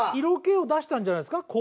色気を出したんじゃないですか？